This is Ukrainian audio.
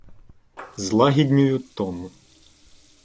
Злагіднюю тон.